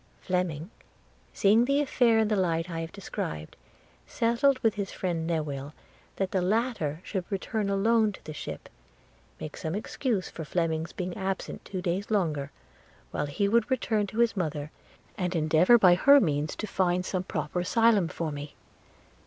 Fleming seeing the affair in the light I have described, settled with his friend Newill that the latter should return alone to the ship – make some excuse for Fleming's being absent two days longer, while he would return to his mother, and endeavour by her means to find some proper asylum for me.